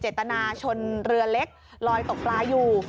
ตนาชนเรือเล็กลอยตกปลาอยู่